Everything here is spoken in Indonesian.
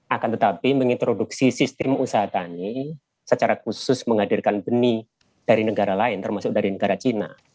akan tetapi mengintroduksi sistem usaha tani secara khusus menghadirkan benih dari negara lain termasuk dari negara cina